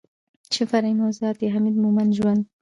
چې فرعي موضوعات يې حميد مومند ژوند